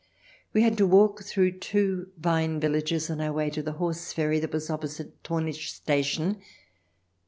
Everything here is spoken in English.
We had to walk through two vine villages on our way to the horse ferry that was opposite Thornich station.